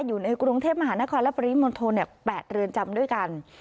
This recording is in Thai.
อยู่ในกรุงเทพมหานครและปริมณฑล๘เรือนจำด้วยกัน